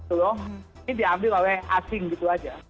ini diambil oleh asing gitu aja